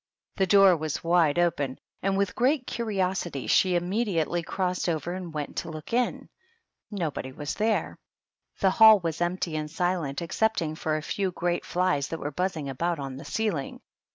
The door was wide open, and with great curiosity she immediately crossed over and went to look in. Nobody was there ; the hall was empty and silent, excepting for a few great flies that were buzzing about on the ceiling.